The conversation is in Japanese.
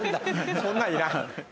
そんなんいらん。